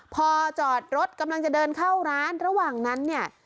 พอจอดรถกำลังจะเดินเข้าร้านระหว่างนั้นเนี่ย